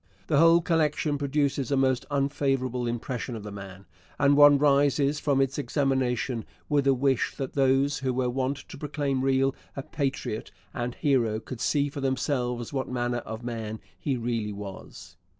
The whole collection produces a most unfavourable impression of the man, and one rises from its examination with a wish that those who were wont to proclaim Riel a patriot and hero could see for themselves what manner of man he really was.